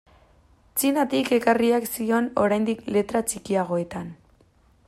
Txinatik ekarriak zioen oraindik letra txikiagoetan.